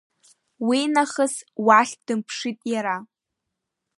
Уи нахыс уахь дымԥшит иара.